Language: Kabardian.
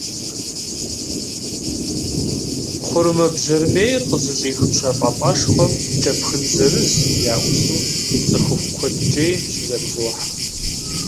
Хъурымэбжьэрымейр къызыщӀих пщэфӀапӀэшхуэм кӀэпхын зырыз яӀулъу цӀыхухъу куэдыкӀей щызэрызохьэ.